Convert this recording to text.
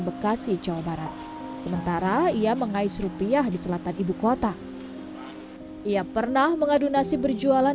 bekasi jawa barat sementara ia mengais rupiah di selatan ibukota ia pernah mengadu nasib berjualan